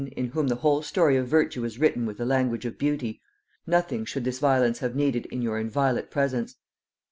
in whom the whole story of virtue is written with the language of beauty; nothing should this violence have needed in your inviolate presence.